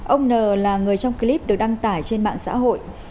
ông n là người trong clip được đăng tải trên mạng xã hội